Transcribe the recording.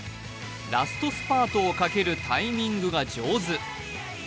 ラストスパートをかけるタイミングが上手。